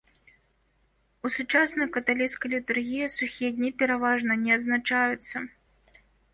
У сучаснай каталіцкай літургіі сухія дні пераважна не адзначаюцца.